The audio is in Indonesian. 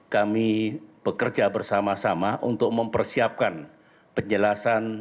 kami bekerja bersama sama untuk mempersiapkan penjelasan